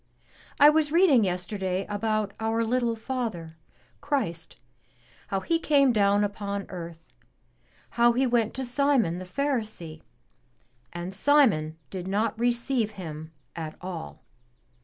I was reading yesterday about our little Father, Christ, how He came down upon earth, how He went to Simon the Pharisee, and Simon did not receive Him at all.